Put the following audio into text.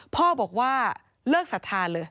พ่อบอกว่าเลิกศรัทธาเลย